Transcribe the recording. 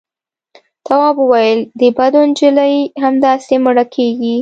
تواب وويل: د بدو نجلۍ همداسې مړه کېږي.